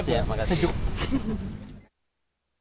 terima kasih ya terima kasih